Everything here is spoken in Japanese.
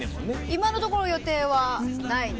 今のところ予定はないですね。